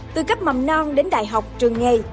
từ cấp mầm non đến đại học trường nghề